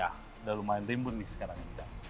sampai ya udah lumayan timbul nih sekarang